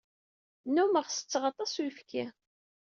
Nnummeɣ sesseɣ aṭas n uyefki.